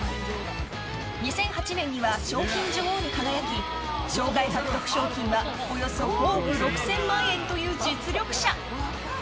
２００８年には賞金女王に輝き生涯獲得賞金はおよそ５億６０００万円という実力者。